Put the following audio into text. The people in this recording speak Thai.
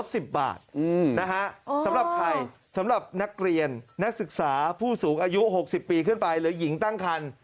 สำหรับใครสำหรับนักเรียนนักศึกษาผู้สูงอายุ๖๐ปีขึ้นไปหรือหญิงตั้งคัน